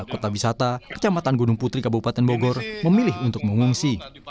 kota wisata kecamatan gunung putri kabupaten bogor memilih untuk mengungsi